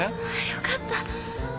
よかった。